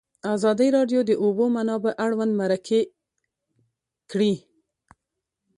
ازادي راډیو د د اوبو منابع اړوند مرکې کړي.